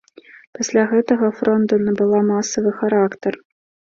Пасля гэтага фронда набыла масавы характар.